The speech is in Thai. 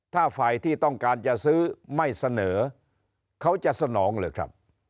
ถ้าฝ่ายที่ต้องการจะซื้อไม่เสนอเขาจะสนองเหรอครับ